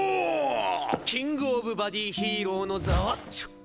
キング・オブ・バディヒーローの座はシュッ